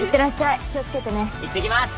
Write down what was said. いってきます！